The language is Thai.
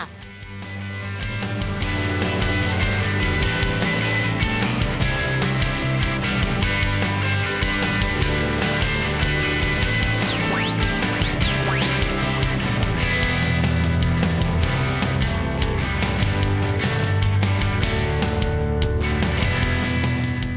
โปรดติดตามตอนต่อไป